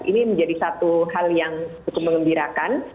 ini menjadi satu hal yang cukup mengembirakan